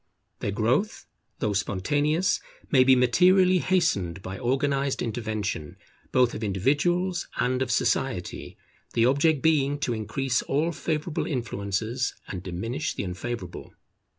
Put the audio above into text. Their growth, though spontaneous, may be materially hastened by organized intervention, both of individuals and of society, the object being to increase all favourable influences and diminish the unfavourable.